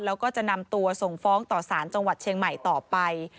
แล้วก็จะนำตัวส่งฟ้องต่อสารจังหวัดเชียงใหม่ต่อไป